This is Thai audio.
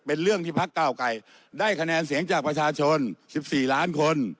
เป็นเรื่องที่พักเก้าไกรได้คะแนนเสียงจากประชาชน๑๔ล้านคน